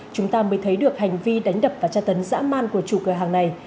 chúng ta mới thấy được hành vi đánh đập và tra tấn dã man của chủ cửa hàng này